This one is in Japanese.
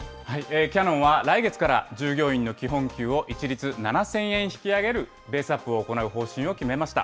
キヤノンは来月から、従業員の基本給を一律７０００円引き上げるベースアップを行う方針を決めました。